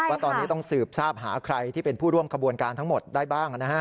ว่าตอนนี้ต้องสืบทราบหาใครที่เป็นผู้ร่วมขบวนการทั้งหมดได้บ้างนะฮะ